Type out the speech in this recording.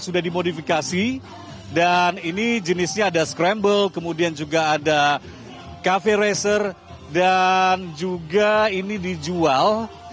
sudah dimodifikasi dan ini jenisnya ada scramble kemudian juga ada cafe racer dan juga ini dijual